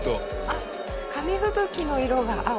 あっ紙吹雪の色が青。